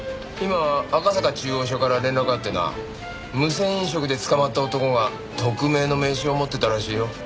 今赤坂中央署から連絡があってな無銭飲食で捕まった男が特命の名刺を持ってたらしいよ。